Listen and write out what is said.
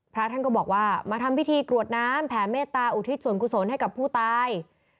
พระท่านก็บอกว่ามาทำพิธีกรวดน้ำแผ่เมตตาอุทิศส่วนกุศลให้กับผู้ตาย